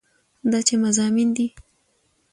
دا چې مضامين دي